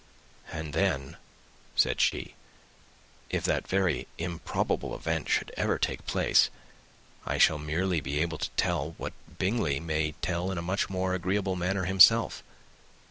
"And then," said she, "if that very improbable event should ever take place, I shall merely be able to tell what Bingley may tell in a much more agreeable manner himself.